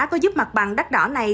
có giúp mặt bằng đắt đỏ này